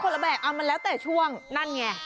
ใช่คนละแบบมันแล้วแต่ช่วงนั่นไง